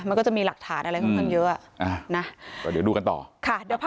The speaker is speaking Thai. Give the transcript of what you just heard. มันก็จะมีหลักฐานอะไรค่อนข้างเยอะนะก็เดี๋ยวดูกันต่อค่ะ